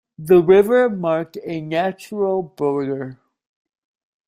The river marked a natural border.